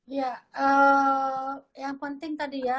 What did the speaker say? iya yang penting tadi ya